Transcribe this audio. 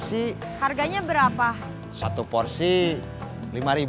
jiwa ada zatnya emp bola sultan prime barat